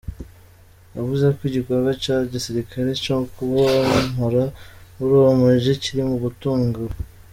Yavuze ko igikorwa ca gisirikare co kubomora muri uwo muji kiri mu gutangura.